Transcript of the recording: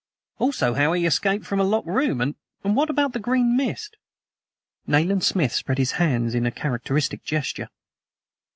"Also, how he escaped from a locked room. And what about the green mist?" Nayland Smith spread his hands in a characteristic gesture.